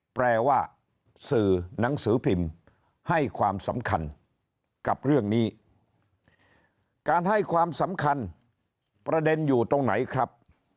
แปลว่าสื่อหนังสือพิมพ์ให้ความสำคัญกับเรื่องนี้การให้ความสำคัญประเด็นอยู่ตรงไหนครับ